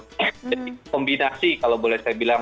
jadi kombinasi kalau boleh saya bilang